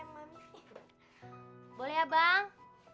boleh ya bang